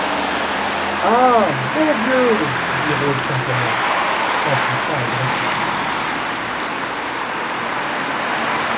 Ah ! mon Dieu ! dit Rose simplement, en poussant un grand soupir.